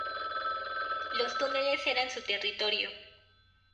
Los túneles eran su territorio.